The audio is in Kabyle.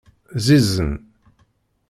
Ẓiẓen.